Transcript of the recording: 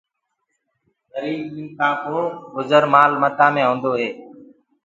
گريب منکآ ڪو گُجر مآل متآ مي هوندو هي۔